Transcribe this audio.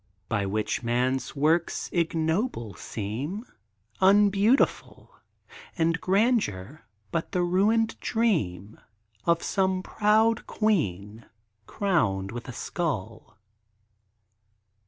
By which man's works ignoble seem, Unbeautiful; And grandeur, but the ruined dream Of some proud queen, crowned with a skull.